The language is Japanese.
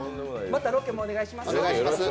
またロケもお願いします。